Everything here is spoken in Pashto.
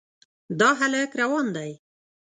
دا هلک روان دی.